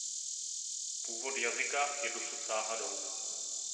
Původ jazyka je dosud záhadou.